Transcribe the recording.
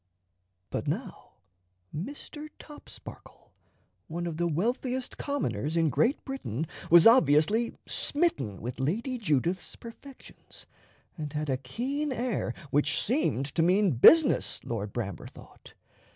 But now Mr. Topsparkle, one of the wealthiest commoners in Great Britain, was obviously smitten with Lady Judith's perfections, and had a keen air which seemed to mean business, Lord Bramber thought.